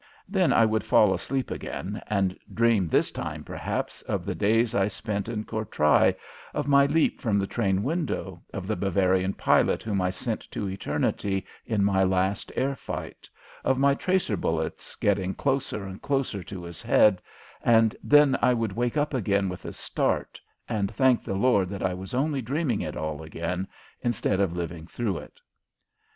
Then I would fall asleep again and dream this time, perhaps, of the days I spent in Courtrai, of my leap from the train window, of the Bavarian pilot whom I sent to eternity in my last air fight, of my tracer bullets getting closer and closer to his head, and then I would wake up again with a start and thank the Lord that I was only dreaming it all again instead of living through it!